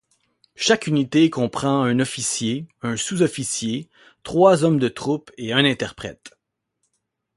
Chaque unité comprend un officier, un sous-officier, trois hommes de troupe et un interprète.